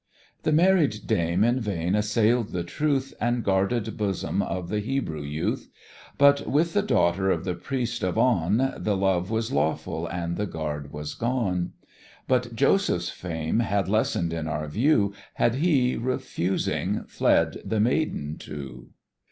The married dame in vain assail'd the truth And guarded bosom of the Hebrew youth; But with the daughter of the Priest of On The love was lawful, and the guard was gone; But Joseph's fame had lessened in our view, Had he, refusing, fled the maiden too.